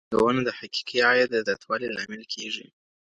پانګونه د حقیقي عاید د زیاتوالي لامل کیږي.